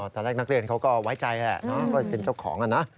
ตอนแรกนักเรียนเขาก็ไว้ใจแหละว่าเป็นเจ้าของนะ